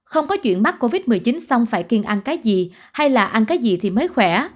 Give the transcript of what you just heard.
không có chuyện mắc covid một mươi chín xong phải kiên ăn cái gì hay là ăn cái gì thì mới khỏe